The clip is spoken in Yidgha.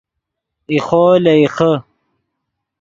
ایخو لے ایخے